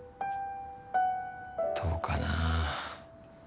どうかな。